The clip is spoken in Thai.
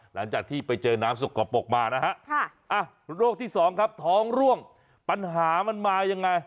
หลังจากที่ไปเจอน้ำสกปรกมานะฮะโรคที่สองครับท้องร่วงปัญหามันมายังไง